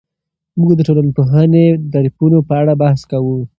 موږ د ټولنپوهنې د تعریفونو په اړه بحث کوو.